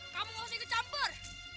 kamu harus ikut campur